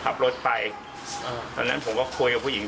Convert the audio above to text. ขับรถไปตอนนั้นผมก็คุยกับผู้หญิง